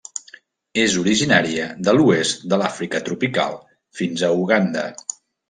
És originària de l'oest de l'Àfrica tropical fins a Uganda.